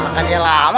makan yang lama